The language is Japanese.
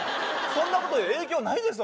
そんなことで影響ないです